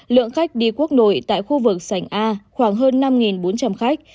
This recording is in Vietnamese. lượng khách đi quốc nội tại khu vực sảnh a khoảng hơn năm bốn trăm linh khách